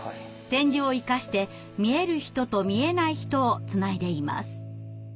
点字を生かして見える人と見えない人をつないでいます。